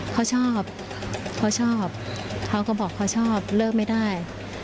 เขาชอบเขาชอบเขาก็บอกเขาชอบเลิกไม่ได้